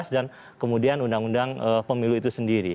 dan kemudian undang undang pemilu itu sendiri